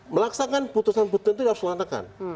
melaksanakan putusan putusan itu harus dilandakan